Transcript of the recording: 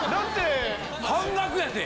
半額やって。